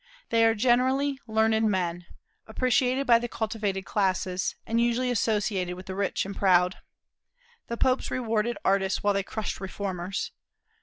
They are generally learned men, appreciated by the cultivated classes, and usually associating with the rich and proud. The Popes rewarded artists while they crushed reformers.